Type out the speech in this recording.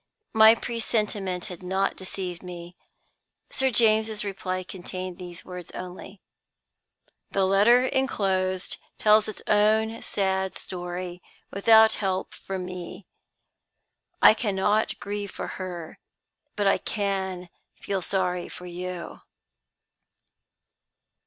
My presentiment had not deceived me. Sir James's reply contained these words only: "The letter inclosed tells its own sad story, without help from me. I cannot grieve for her; but I can feel sorry for you."